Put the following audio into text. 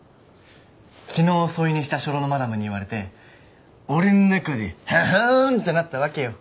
昨日添い寝した初老のマダムに言われて俺の中でハハーン！ってなったわけよ。